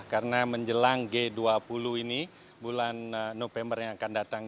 karena menjelang g dua puluh ini bulan november yang akan datang